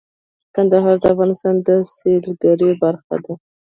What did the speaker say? کندهار د افغانستان د سیلګرۍ برخه ده.